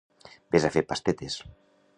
Ves a fer pastetes!